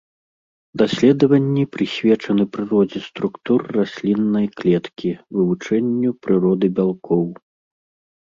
Даследаванні прысвечаны прыродзе структур расліннай клеткі, вывучэнню прыроды бялкоў.